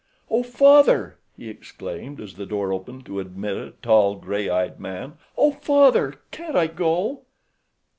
Oh, Father," he exclaimed, as the door opened to admit a tall gray eyed man. "Oh, Father, can't I go?"